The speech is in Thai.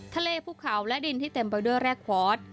ทะเลผู้เข่าและดินที่เต็มไปด้วยแรกควอร์ด